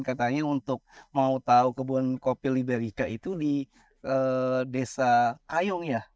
katanya untuk mau tahu kebun kopi liberika itu di desa kayung ya